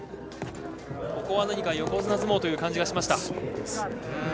ここは何か横綱相撲という感じがしました。